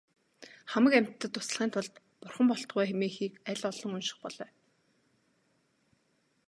Хамаг амьтдад туслахын тулд бурхан болтугай хэмээхийг аль олон унших болой.